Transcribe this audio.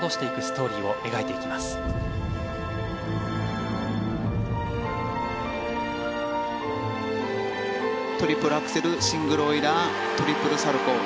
トリプルアクセルシングルオイラートリプルサルコウ。